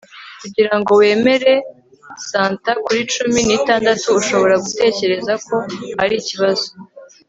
kugira ngo wemere santa kuri cumi n'itandatu, ushobora gutekereza ko ari ikibazo